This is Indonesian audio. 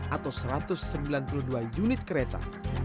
atau satu ratus sembilan puluh dua unit kereta